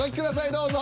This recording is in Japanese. どうぞ。